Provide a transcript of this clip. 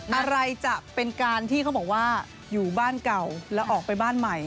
อะไรจะเป็นการที่เขาบอกว่าอยู่บ้านเก่าแล้วออกไปบ้านใหม่